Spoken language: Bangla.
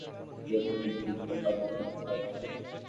মাস দেড়েকের মধ্যেই হয়তো পুরোপুরি ফিট হয়ে মাঠে ফিরতে পারবেন তিনি।